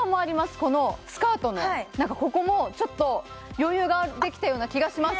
このスカートのなんかここもちょっと余裕ができたような気がします